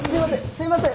すいません！